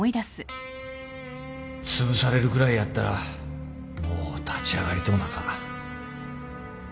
つぶされるぐらいやったらもう立ち上がりとうなか